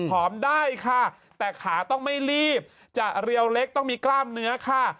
หอมได้ค่ะแต่ขาต้องไม่รีบจะเรียวเล็กต้องมีกล้ามเนื้อค่ะ